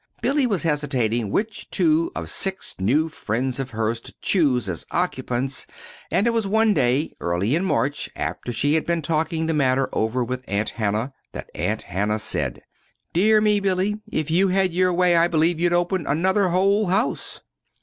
Billy was hesitating which two of six new friends of hers to choose as occupants; and it was one day early in March, after she had been talking the matter over with Aunt Hannah, that Aunt Hannah said: "Dear me, Billy, if you had your way I believe you'd open another whole house!"